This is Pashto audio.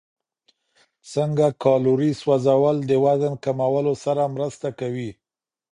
څنګه کالوري سوځول د وزن کمولو سره مرسته کوي؟